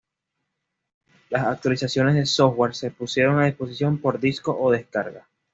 Las actualizaciones de software se pusieron a disposición por disco o descarga.